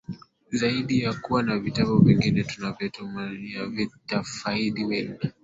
zaidi ya kuwa na vitabu vingine tunavyotumaini vitafaidisha wengi